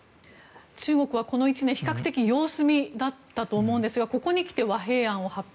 中国はこの１年比較的様子見だったと思いますがここにきて和平案を発表。